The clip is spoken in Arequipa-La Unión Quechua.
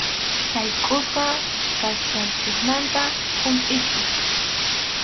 Saykʼusqa kasqanchikmanta humpʼinchik.